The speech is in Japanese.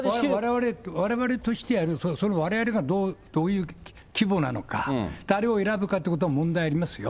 われわれとしてやる、そのわれわれがどういう規模なのか、誰を選ぶかということは問題ありますよ。